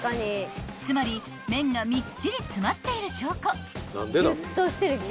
［つまり麺がみっちり詰まっている証拠］